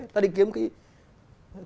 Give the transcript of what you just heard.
ta đi kiếm cái